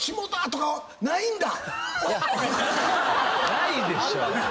ないでしょ！